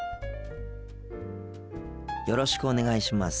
よろしくお願いします。